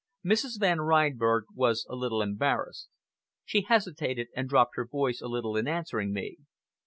Mrs. Van Reinberg was a little embarrassed. She hesitated, and dropped her voice a little in answering me.